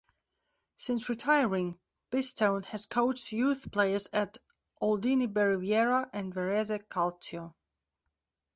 Since retiring, Pistone has coached youth players at Aldini Bariviera and Varese Calcio.